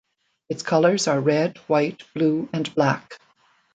Its colours are red, white, blue and black.